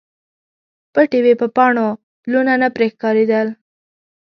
پټې وې په پاڼو، پلونه نه پرې ښکاریدل